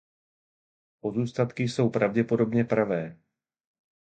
Pozůstatky jsou pravděpodobně pravé.